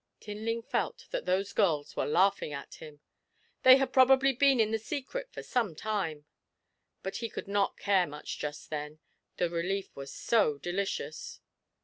Tinling felt that those girls were laughing at him; they had probably been in the secret for some time; but he could not care much just then the relief was so delicious!